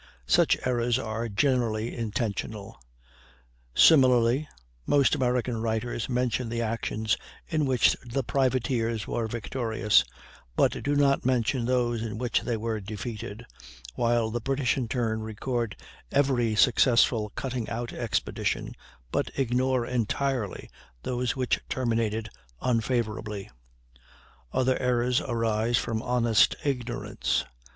Such errors are generally intentional. Similarly, most American writers mention the actions in which the privateers were victorious, but do not mention those in which they were defeated; while the British, in turn, record every successful "cutting out" expedition, but ignore entirely those which terminated unfavorably. Other errors arise from honest ignorance.